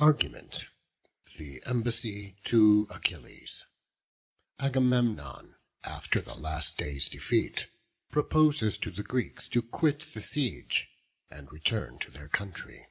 ARGUMENT. THE EMBASSY TO ACHILLES. Agamemnon, after the last day's defeat, proposes to the Greeks to quit the siege, and return to their country.